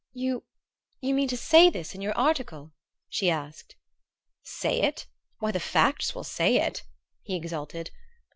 "You you mean to say this in your article?" she asked. "Say it? Why, the facts will say it," he exulted.